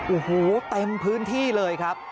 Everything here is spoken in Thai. โอ้โหเต็มพื้นที่เลยครับ